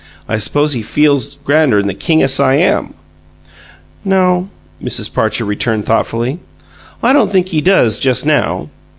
I suppose he feels grander 'n the King o' Siam!" "No," Mrs. Parcher returned, thoughtfully. "I don't think he does, just now."